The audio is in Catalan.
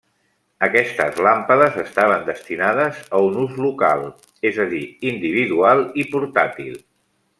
Aquestes làmpades estaven destinades a un ús local, és a dir individual i portàtil.